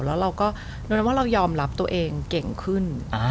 แล้วเราก็รู้แล้วว่าเรายอมรับตัวเองเก่งขึ้น